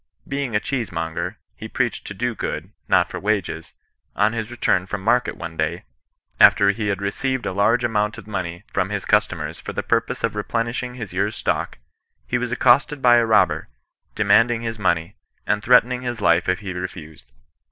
Being a cheese monger (he preached to do good, not for wages), on his return from market one day, after he had received a large amount of money from his customers for the purpose of replenishing his year's stock, he was accosted by a robber, demanding his money, and threat ening his life if he refused.